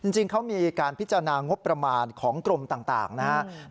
จริงเขามีการพิจารณางบประมาณของกรมต่างนะครับ